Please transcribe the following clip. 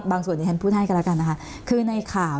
ซึ่งหมายถึงปิดเทิมเดียวกันนี้ใช่ไหม